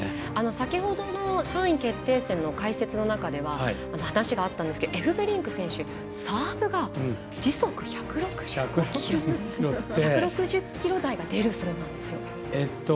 先ほどの３位決定戦の解説の中で話があったんですけどエフベリンク選手、サーブが時速１６０キロ台がでるそうなんですよ。